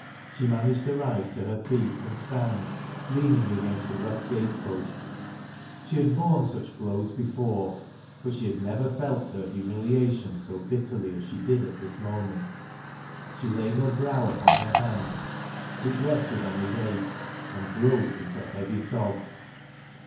She managed to rise to her feet and stand, leaning against the rough gate post. She had borne such blows lef ore, bnj 168 TEAT LASS 0' LOWBIE'S. she had never felt her humiliaticn bo bitterly as she did at this moment. She laid her brow upon her hand, which rested on the gate, and broke into heavy sobs.